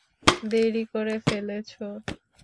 দেরি করে ফেলেছ।